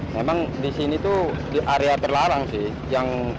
memang di sini tuh di area terlarang sih